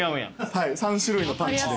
はい３種類のパンチで。